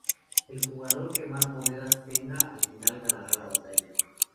El jugador que más monedas tenga al final ganará la Batalla.